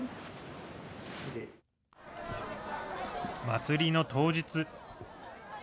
祭りの当日。